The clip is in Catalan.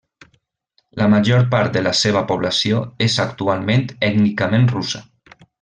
La major part de la seva població és actualment ètnicament russa.